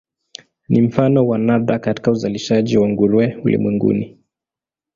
Ni mfano wa nadra katika uzalishaji wa nguruwe ulimwenguni.